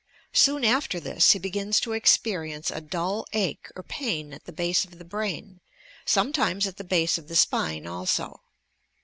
Soon after this he begins to ex perience a dull ache or pain at the base of the brain, sometimes at the base of the spine also.